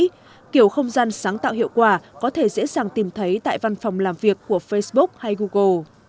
kiểu không gian sáng tạo hiệu quả có thể dễ dàng tìm thấy tại văn phòng làm việc của facebook hay google